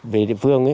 về địa phương